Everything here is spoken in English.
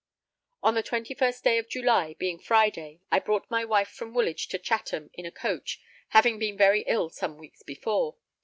On the 21st day [of] July, being Friday, I brought my wife from Woolwich to Chatham in a coach, having been very ill some weeks before.